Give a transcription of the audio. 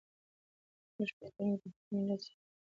موږ په انټرنیټ کې د خپلو ملي ارزښتونو ساتنه کوو.